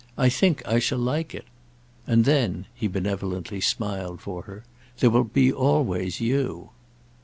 I think I shall like it. And then," he benevolently smiled for her, "there will be always you."